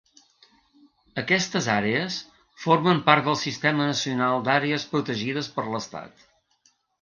Aquestes àrees formen part del Sistema Nacional d'Àrees Protegides per l'Estat.